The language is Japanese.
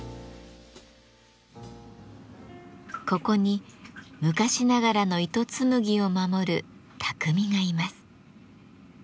ここに昔ながらの糸紡ぎを守る匠がいます。